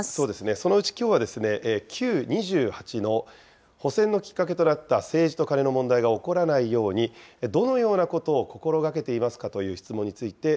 そのうち、きょうはですね、Ｑ２８の補選のきっかけとなった政治とカネの問題が起こらないように、どのようなことを心がけていますかという質問